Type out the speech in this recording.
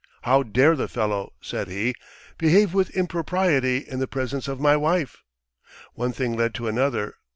... 'How dare the fellow,' said he, 'behave with impropriety in the presence of my wife?' One thing led to another